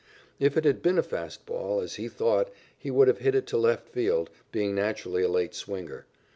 If it had been a fast ball, as he thought, he would have hit it to left field, being naturally a late swinger.